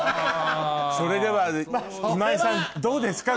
「それでは今井さんどうですか？